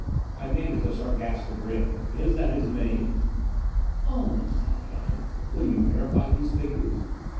I managed a sarcastic grin. "Is that his name?" "Almost. Haljan, will you verify these figures?"